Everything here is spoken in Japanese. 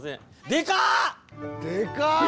でかっ！